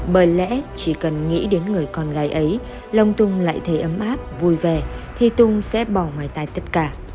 bởi lẽ chỉ cần nghĩ đến người con gái ấy lòng tùng lại thấy ấm áp vui vẻ thì tùng sẽ bỏ ngoài tay tất cả